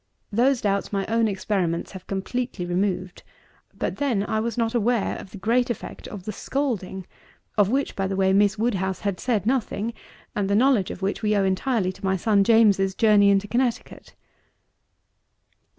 Those doubts my own experiments have completely removed; but then I was not aware of the great effect of the scalding, of which, by the way, Miss WOODHOUSE had said nothing, and the knowledge of which we owe entirely to my son James' journey into Connecticut.